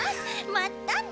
まったね。